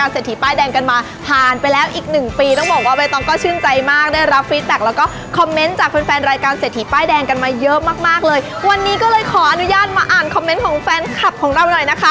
ส่งมาบอกว่า